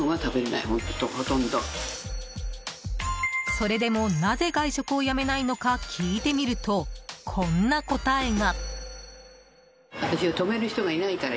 それでも、なぜ外食をやめないのか聞いてみるとこんな答えが。